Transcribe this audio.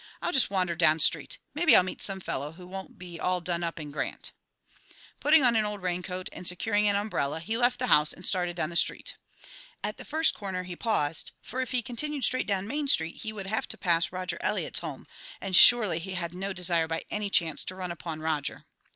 "I'll just wander down street; maybe I'll meet some fellow who won't be all done up in Grant." Putting on an old raincoat and securing an umbrella, he left the house and started down the street. At the first corner he paused, for if he continued straight down Main Street he would have to pass Roger Eliot's home, and surely he had no desire by any chance to run upon Roger.